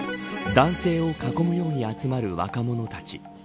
男性を囲むように集まる若者たち。